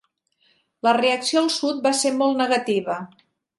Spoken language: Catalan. La reacció al sud va ser molt negativa.